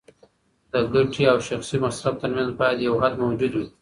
د ګټې او شخصي مصرف ترمنځ باید یو حد موجود وي.